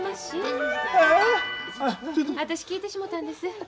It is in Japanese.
私聞いてしもたんです。